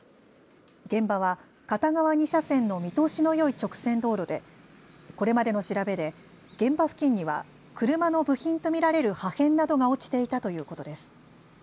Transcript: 現場は片側２車線の見通しのよい直線道路でこれまでの調べで現場付近には車の部品と見られる破片などが落ちていたということです。